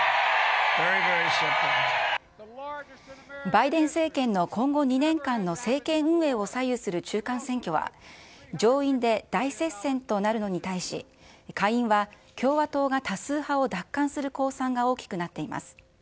バイデン政権の今後２年間の政権運営を左右する中間選挙は、上院で大接戦となるのに対し、下院は共和党が多数派を奪還する公算が大きくなっています。